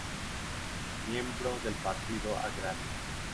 Miembro del Partido Agrario.